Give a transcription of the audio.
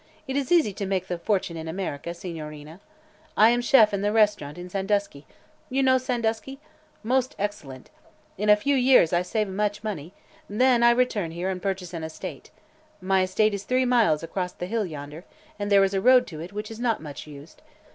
"It is easy to make the fortune in America, Signorina. I am chef in the restaurant in Sandusky you know Sandusky? most excellent! In a few years I save much money, then I return here an' purchase an estate. My estate is three miles across the hill, yonder, and there is a road to it which is not much used.